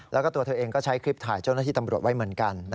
แล้วก็ตัวเธอเองก็ใช้คลิปถ่ายเจ้าหน้าที่ตำรวจไว้เหมือนกัน